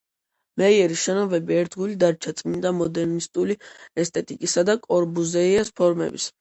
მეიერის შენობები ერთგული დარჩა წმინდა მოდერნისტული ესთეტიკისა და კორბუზიეს ფორმების.